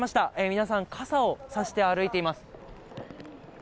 皆さん、傘を差して歩いています。